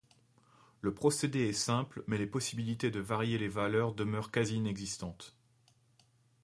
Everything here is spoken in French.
Le procédé est simple mais les possibilités de varier les valeurs demeurent quasi inexistantes.